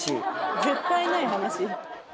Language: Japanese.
絶対ない話。